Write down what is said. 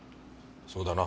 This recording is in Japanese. そうだな。